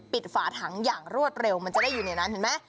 ฝาถังอย่างรวดเร็วมันจะได้อยู่ในนั้นเห็นไหม